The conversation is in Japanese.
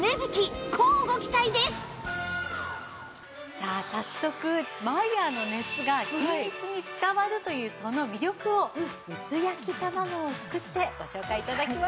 さあさあ早速マイヤーの熱が均一に伝わるというその魅力を薄焼き卵を作ってご紹介頂きましょう。